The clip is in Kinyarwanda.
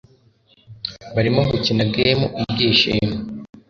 barimo gukina game ibyishimo